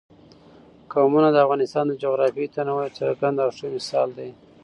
قومونه د افغانستان د جغرافیوي تنوع یو څرګند او ښه مثال دی.